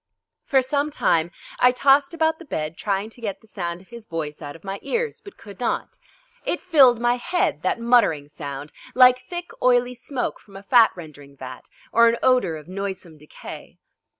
For some time I tossed about the bed trying to get the sound of his voice out of my ears, but could not. It filled my head, that muttering sound, like thick oily smoke from a fat rendering vat or an odour of noisome decay.